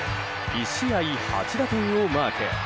１試合８打点をマーク。